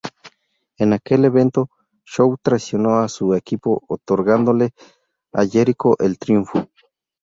En aquel evento, Show traicionó a su equipo otorgándole a Jericho el triunfo.